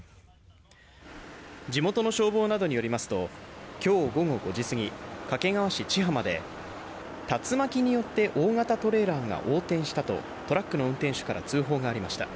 地元の消防などによりますと今日午後５時過ぎ掛川市千浜で、竜巻によって大型トレーラーが横転したとトラックの運転手から通報がありました。